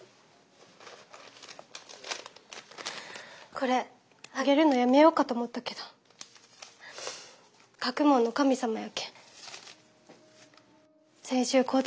これあげるのやめようかと思ったけど学問の神様やけん先週買うてきたんよ。